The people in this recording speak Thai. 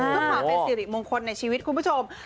เพื่อความเป็นสิริมงคลในชีวิตคุณผู้ชม